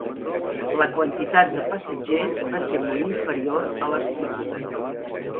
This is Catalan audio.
La quantitat de passatgers va ser molt inferior a l'estimada.